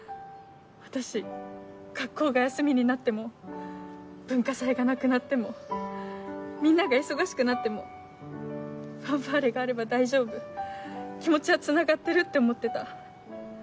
私学校が休みになっても文化祭がなくなってもみんなが忙しくなってもファンファーレがあれば大丈夫気持ちはつながってるって思ってた。